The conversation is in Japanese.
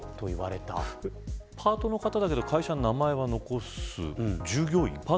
パートの方だけど会社に名前は残す。